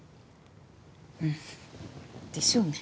うんでしょうね。